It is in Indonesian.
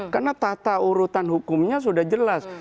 karena tata urutan hukumnya sudah jelas